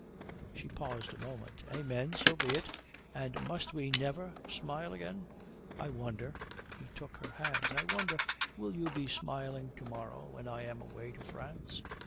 She paused a moment. "Amen, so be it. And must we never smile again?" "I wonder" he took her hands; "I wonder, will you be smiling to morrow when I am away to France."